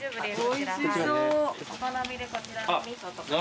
お好みでこちらの味噌とか。